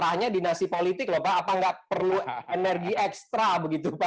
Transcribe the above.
atau tidak perlu energi ekstra begitu pak